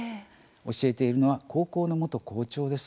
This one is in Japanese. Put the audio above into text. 教えているのは高校の元校長です。